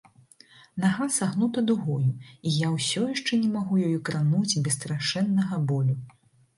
Нага сагнута дугою, і я ўсё яшчэ не магу ёю крануць без страшэннага болю.